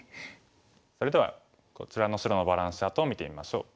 それではこちらの白のバランスチャートを見てみましょう。